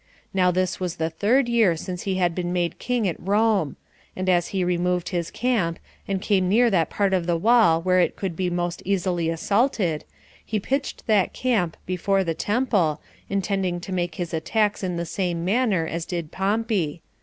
Now this was the third year since he had been made king at Rome; and as he removed his camp, and came near that part of the wall where it could be most easily assaulted, he pitched that camp before the temple, intending to make his attacks in the same manner as did Pompey.